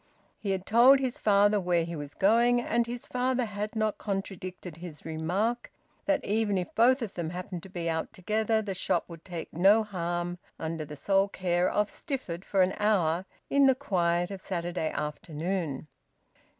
He had told his father where he was going, and his father had not contradicted his remark that even if both of them happened to be out together, the shop would take no harm under the sole care of Stifford for an hour in the quiet of Saturday afternoon.